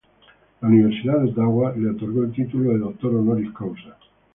La Universidad de Ottawa le otorgó el título de Dr. Honoris Causa.